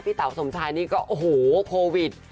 เต๋าสมชายนี่ก็โอ้โหโควิด